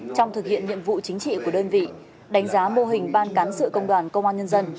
trong thực hiện nhiệm vụ chính trị của đơn vị đánh giá mô hình ban cán sự công đoàn công an nhân dân